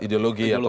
ideologi atau politik